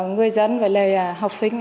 người dân và học sinh